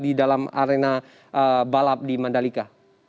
di dalam arena balap di mandalika